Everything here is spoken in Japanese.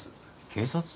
警察？